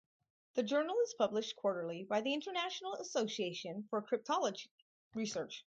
The journal is published quarterly by the International Association for Cryptologic Research.